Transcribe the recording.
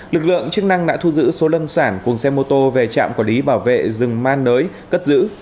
lực lượng chức năng đã thu giữ số lâm sản cùng xe mô tô về trạm quản lý bảo vệ rừng man nới cất giữ